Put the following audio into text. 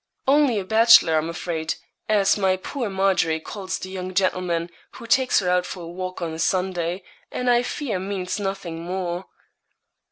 'Only a bachelor, I'm afraid, as my poor Margery calls the young gentleman who takes her out for a walk on a Sunday, and I fear means nothing more.'